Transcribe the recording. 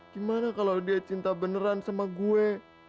gimana kalau dia cinta beneran sama gue